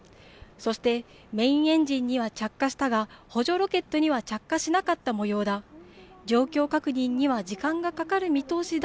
そしてメインエンジンには着火したが補助ロケットには着火しなかったもようだ。